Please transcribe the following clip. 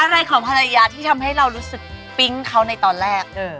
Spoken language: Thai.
อะไรของภรรยาที่ทำให้เรารู้สึกปิ๊งเขาในตอนแรก